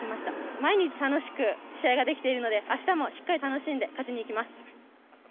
毎日楽しく試合ができているので、あしたもしっかり楽しんで勝ちにいきます。